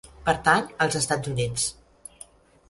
Pertany als Estats Units.